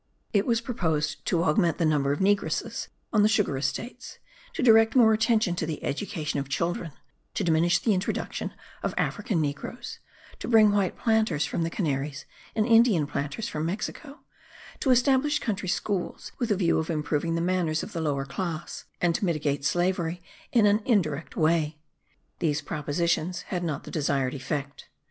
it was proposed to augment the number of negresses on the sugar estates, to direct more attention to the education of children, to diminish the introduction of African negroes, to bring white planters from the Canaries, and Indian planters from Mexico, to establish country schools with the view of improving the manners of the lower class, and to mitigate slavery in an indirect way. These propositions had not the desired effect.